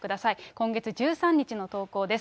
今月１３日の投稿です。